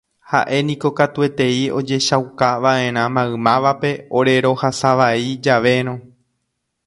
Ha'éniko katuetei ojechaukava'erã maymávape ore rohasavai javérõ